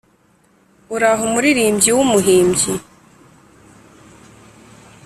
uraho muririmbyi w’umuhimbyi